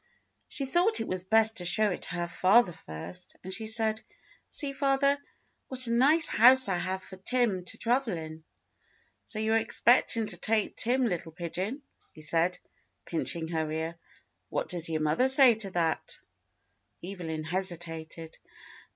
She thought it was best to show it to her father first, and she said, "See, father, what a nice house I have for Tim to travel in." "So you are expecting to take Tim, little pigeon," he said, pinching her ear. "What does your mother say to that.^" Evelyn hesitated.